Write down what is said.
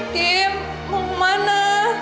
tim mau kemana